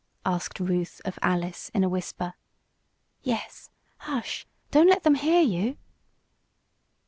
asked Ruth of Alice, in a whisper. "Yes! Hush! Don't let them hear you!"